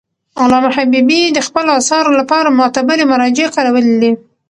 علامه حبیبي د خپلو اثارو لپاره معتبري مراجع کارولي دي.